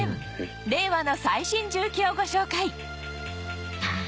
令和の最新重機をご紹介